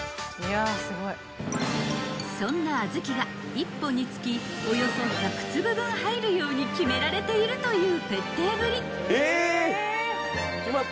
［そんなあずきが１本につきおよそ１００粒分入るように決められているという徹底ぶり］